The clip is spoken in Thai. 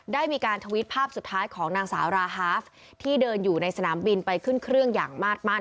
ได้มีการทวิตภาพสุดท้ายของนางสาวราฮาฟที่เดินอยู่ในสนามบินไปขึ้นเครื่องอย่างมาดมั่น